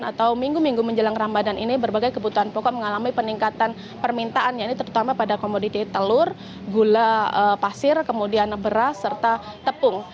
atau minggu minggu menjelang ramadan ini berbagai kebutuhan pokok mengalami peningkatan permintaan ya ini terutama pada komoditi telur gula pasir kemudian beras serta tepung